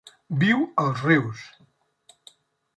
Viu als rius.